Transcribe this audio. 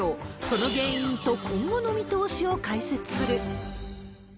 その原因と今後の見通しを解説する。